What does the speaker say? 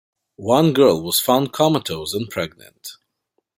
One girl was found comatose and pregnant.